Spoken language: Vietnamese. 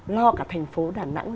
lo cả thành phố đà nẵng